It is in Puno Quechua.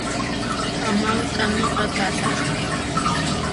Hamawt'a nuqa kasaq